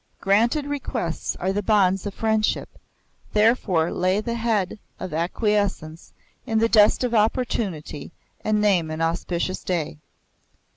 Granted requests are the bonds of friendship; therefore lay the head of acquiescence in the dust of opportunity and name an auspicious day.